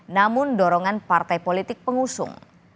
namun dorongan partai politik pengusung